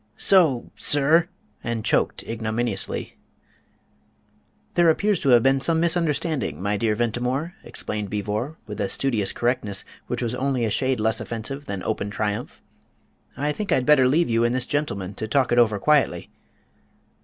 "So, sir! " and choked ignominiously. "There appears to have been some misunderstanding, my dear Ventimore," explained Beevor, with a studious correctness which was only a shade less offensive than open triumph. "I think I'd better leave you and this gentleman to talk it over quietly."